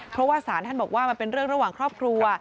เพราะว่าศาลท่านบอกว่ามันเป็นเรื่องระหว่างครอบครัว